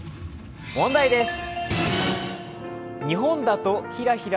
問題です！